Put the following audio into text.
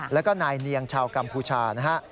แล้วก็นายเนียงชาวกัมพูชานะฮะ